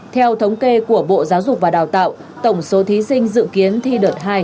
theo thống kê của bộ giáo dục và đào tạo tổng số thí sinh dự kiến thi đợt hai